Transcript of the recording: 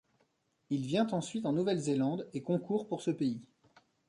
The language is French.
Il vient ensuite en Nouvelle-Zélande et concourt pour ce pays.